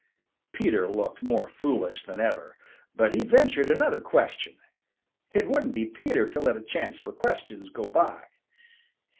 Peter looked more foolish than ever. But he ventured another question. It wouldn't be Peter to let a chance for questions go by.